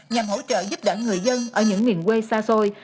nhằm hỗ trợ giúp đỡ người dân ở những miền quê xa xôi